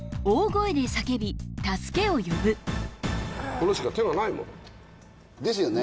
これしか手がないものですよね